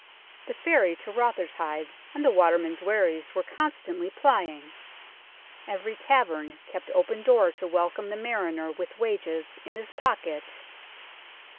The ferry to Rotherhithe and the watermen's wherries were constantly plying. Every tavern kept open door to welcome the mariner with wages in his pocket.